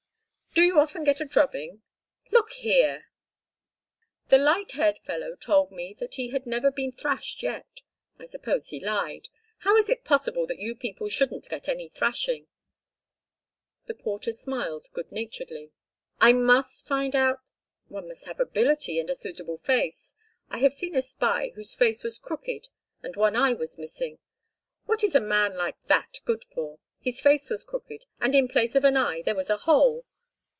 "Do you often get a drubbing?" "Look here—" "The light haired fellow told me that he had never been thrashed yet. I suppose he lied. How is it possible that you people shouldn't get any thrashing," the porter smiled good naturedly. "I must find out—" "One must have ability and a suitable face. I have seen a spy whose face was crooked and one eye was missing. What is a man like that good for? His face was crooked, and in place of an eye there was a hole.